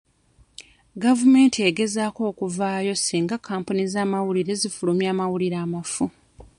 Gavumenti egezaako okuvaawo singa kampuni z'amawulire zifulumya amawulire amafu.